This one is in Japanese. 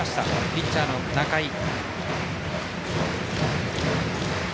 ピッチャーの仲井。